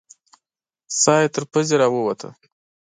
ساه یې تر پزې راووته.